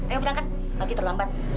ayo berangkat lagi terlambat